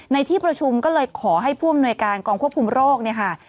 ในที่ประชุมก็เลยขอให้ผู้อำนวยการกองควบคุมโรคเนี่ยค่ะ